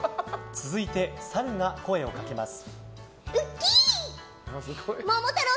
続いて、サルが声をかけます。